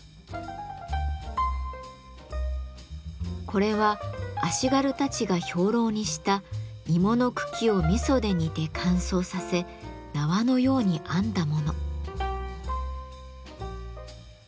これは足軽たちが兵糧にした芋の茎を味噌で煮て乾燥させ縄のように編んだもの。